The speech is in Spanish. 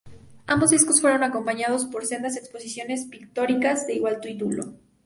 Ambos discos fueron acompañados por sendas exposiciones pictóricas de igual título.